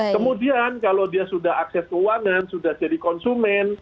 kemudian kalau dia sudah akses keuangan sudah jadi konsumen